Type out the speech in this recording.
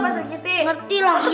ngerti lah pak sikiti